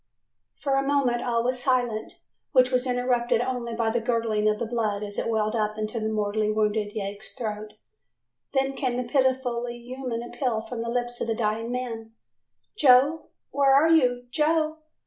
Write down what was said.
"] For a moment all was silence, which was interrupted only by the gurgling of the blood as it welled up into the mortally wounded yegg's throat, then came the pitifully human appeal from the lips of the dying man, "Joe, where are you, Joe?